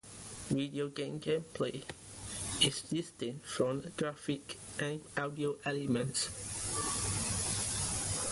Video game gameplay is distinct from graphics and audio elements.